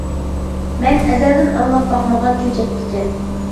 مەن ئەزەلدىن ئاڭلاپ باقمىغان چۆچەك ئىكەن.